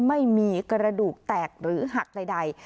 ไม่มีกระดูกแตกหรือหักใด